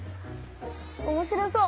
おもしろそう。